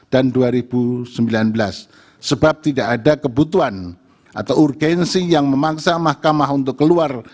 dan dua ribu sembilan belas sebab tidak ada kebutuhan atau urgensi yang memaksa mahkamah untuk keluar